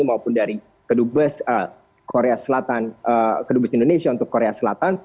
maupun dari kedubes indonesia untuk korea selatan